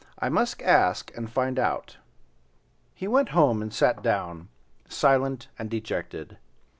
I must ask and find out." He went home and sat down, silent and dejected.